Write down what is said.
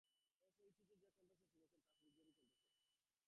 অপরিচিত যে কণ্ঠস্বর শুনছেন, তা ফিরোজেরই কণ্ঠস্বর।